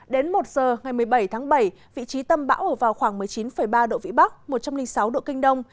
đến một giờ ngày một mươi bảy tháng bảy vị trí tâm bão ở vào khoảng một mươi chín ba độ vĩ bắc một trăm linh sáu độ kinh đông